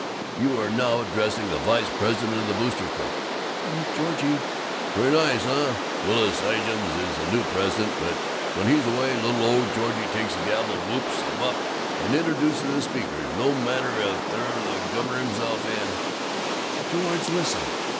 You are now addressing the vice president of the Boosters' Club!" "Oh, Georgie " "Pretty nice, huh? Willis Ijams is the new president, but when he's away, little ole Georgie takes the gavel and whoops 'em up and introduces the speakers no matter if they're the governor himself and " "George! Listen!"